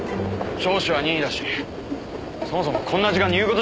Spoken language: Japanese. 聴取は任意だしそもそもこんな時間に言う事じゃない。